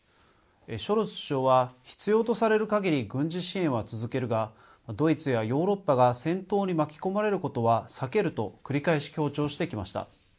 ショルツ首相は必要とされるかぎり軍事支援は続けるが、ドイツやヨーロッパが戦闘に巻き込まれることは避けると繰り返し強調してきました。